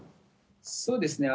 そうですね。